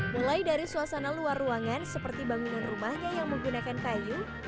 mulai dari suasana luar ruangan seperti bangunan rumahnya yang menggunakan kayu